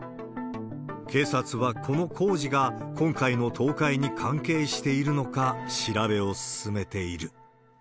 警察はこの工事が今回の倒壊に関係しているのか調べを進めている。